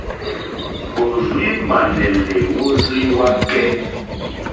Ò rz-ímànɛ̀lè wórzíwàkɛ́.